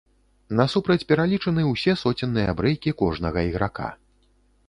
Насупраць пералічаны ўсе соценныя брэйкі кожнага іграка.